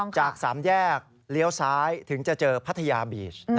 จากสามแยกเลี้ยวซ้ายถึงจะเจอพัทยาบีช